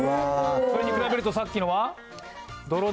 それに比べると、さっきのは？